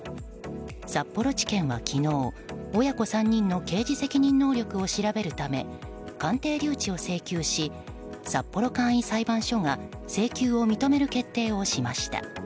札幌地検は昨日親子３人の刑事責任能力を調べるため鑑定留置を請求し札幌簡易裁判所が請求を認める決定をしました。